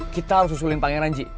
kita harus usulin pangeran ji